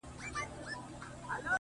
د هغه ورځي څه مي،